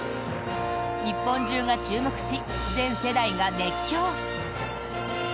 日本中が注目し、全世代が熱狂！